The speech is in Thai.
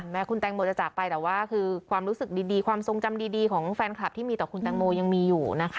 แม้คุณแตงโมจะจากไปแต่ว่าคือความรู้สึกดีความทรงจำดีของแฟนคลับที่มีต่อคุณแตงโมยังมีอยู่นะคะ